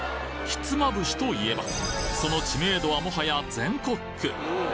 ひつまぶしといえば、その知名度はもはや全国区。